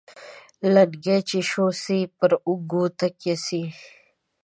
لنگۍ چې شوه سي ، پر اوږو تکيه سي.